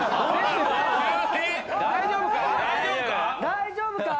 大丈夫か？